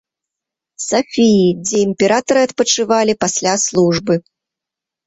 Сафіі, дзе імператары адпачывалі пасля службы.